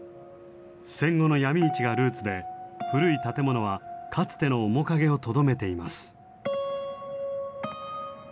戦後の闇市がルーツで古い建物はかつての面影をとどめています。